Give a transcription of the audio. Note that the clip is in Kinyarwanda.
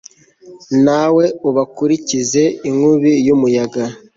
nawe ubakurikize inkubi y'umuyaga